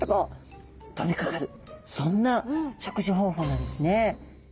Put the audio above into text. そんな食事方法なんですね。